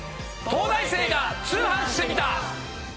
『東大生が通販してみた！！』。